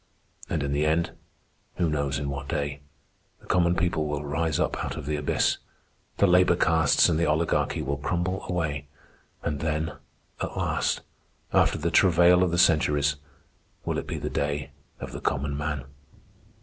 And in the end, who knows in what day, the common people will rise up out of the abyss; the labor castes and the Oligarchy will crumble away; and then, at last, after the travail of the centuries, will it be the day of the common man.